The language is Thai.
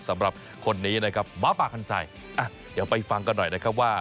สำหรับคนนี้นะครับม้าปากคันใส่อ่ะเดี๋ยวไปฟังกันหน่อยนะครับว่า